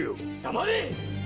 黙れ！